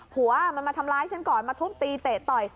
หัวมันมาทำร้ายฉันก่อนมาทุบตีเตะต่อย